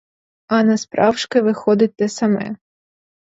А насправжки виходить те саме.